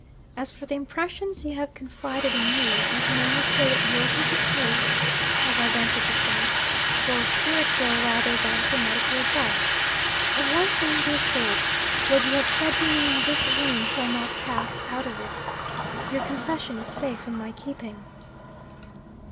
As for the impressions you have confided to me, I can only say that yours is a case (as I venture to think) for spiritual rather than for medical advice. Of one thing be assured: what you have said to me in this room shall not pass out of it. Your confession is safe in my keeping.'